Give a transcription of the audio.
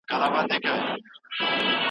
د دولت پالیسۍ د کوچیانو لپاره اړینې دي.